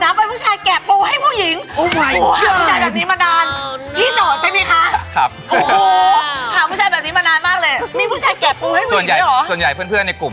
แล้วถ้าเราแกะปูเพรสเราไม่ให้กามเขามันก็ดูตลกใช่ไหม